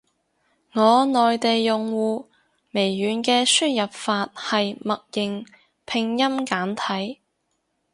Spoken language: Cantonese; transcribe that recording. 我內地用戶，微軟嘅輸入法係默認拼音簡體。